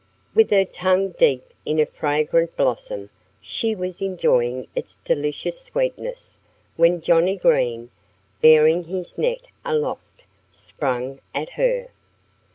With her tongue deep in a fragrant blossom she was enjoying its delicious sweetness when Johnnie Green, bearing his net aloft, sprang at her.